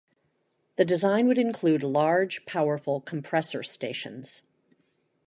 The design would include large, powerful compressor stations.